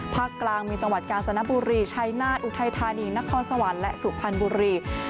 ภาคกลางมีจังหวัดกาญจนบุรีชัยนาฏอุทัยธานีนครสวรรค์และสุพรรณบุรี